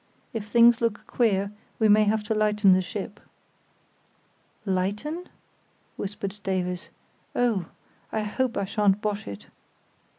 If things look queer we may have to lighten the ship." "Lighten?" whispered Davies; "oh, I hope I shan't bosh it."